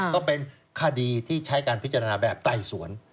ก็เป็นคดีที่ใช้การพิจารณาแบบไต่สวน